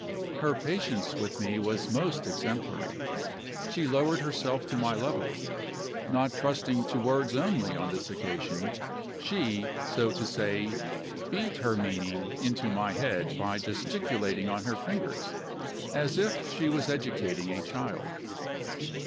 Her patience with me was most exemplary. She lowered herself to my level. Not trusting to words only on this occasion, she (so to say) beat her meaning into my head by gesticulating on her fingers, as if she was educating a child.